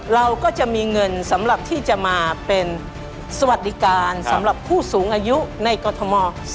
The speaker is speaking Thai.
เราก็จะมีเงินสำหรับที่จะมาเป็นสวัสดิการสำหรับผู้สูงอายุในกรทม